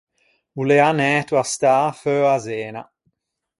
O l’ea anæto à stâ feua Zena.